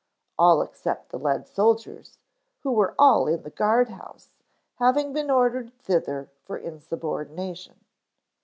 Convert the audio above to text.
All except the lead soldiers who were all in the guard house, having been ordered thither for insubordination.